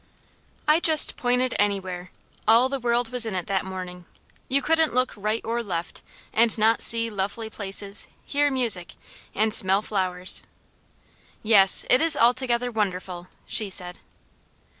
I just pointed anywhere. All the world was in it that morning. You couldn't look right or left and not see lovely places, hear music, and smell flowers. "Yes! It is altogether wonderful!" she said.